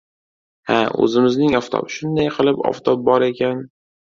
— Ha, o‘zimizning oftob. Shunday qilib, oftob bor ekan.